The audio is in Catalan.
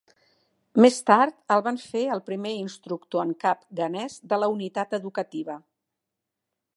Més tard el van fer el primer instructor en cap ghanès de la Unitat Educativa.